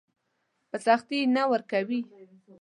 په سختي يې نه ورکوي.